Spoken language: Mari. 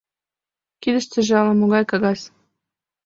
Кидыштыже — ала-могай кагаз.